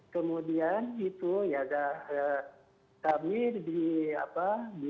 kemudian itu ya